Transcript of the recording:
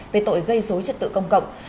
về tội gây dối chất tự công cộng